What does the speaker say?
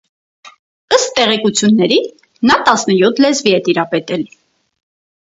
Ըստ տեղեկությունների՝ նա տասնյոթ լեզվի է տիրապետել։